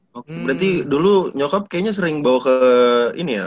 oke berarti dulu nyokap kayaknya sering bawa ke ini ya